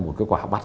một cơ quả bắt